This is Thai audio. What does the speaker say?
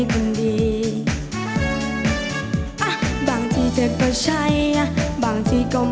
เกิดมีประสาทส่งของ